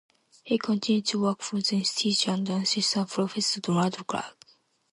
He continued to work for the Institute under Assistant Professor Donald Clark.